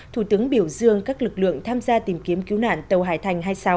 thủ tướng biểu dương các lực lượng tham gia tìm kiếm cứu nạn tàu hải thành hai mươi sáu